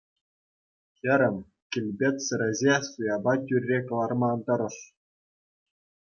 Хӗрӗм, килпетсӗр ӗҫе суяпа тӳрре кӑларма ан тӑрӑш.